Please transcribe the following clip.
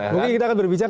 mungkin kita akan berbicara